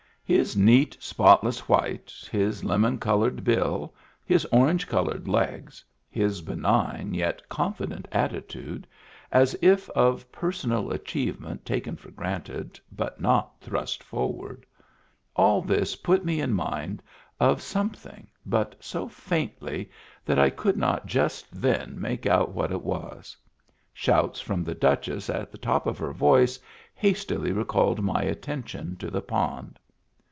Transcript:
His neat, spotless white, his lemon colored bill, his orange colored legs, his benign yet confident attitude, as if of personal achievement taken for granted but not thrust forward — all this put me in mind of something, but so faintly that I could Digitized by Google 292 MEMBERS OF THE FAMILY not just then make out what it was. Shouts from the Duchess at the top of her voice hastily re called my attention to the pond.